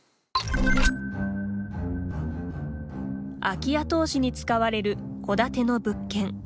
空き家投資に使われる戸建ての物件。